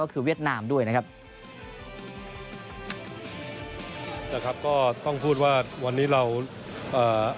ก็คือเวียดนามด้วยนะครับนะครับก็ต้องพูดว่าวันนี้เราเอ่อ